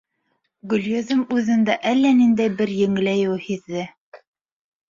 Гөлйөҙөм үҙендә әллә ниндәй бер еңеләйеү һиҙҙе.